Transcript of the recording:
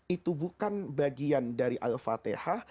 itu bukan bagian dari al fatihah